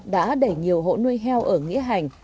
đã đẩy nhiều hộ nuôi heo ở nghĩa hành